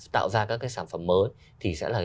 tạo ra các cái sản phẩm mới thì sẽ là